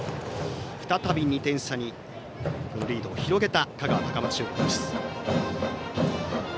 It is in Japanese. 再び２点差にリードを広げた香川・高松商業。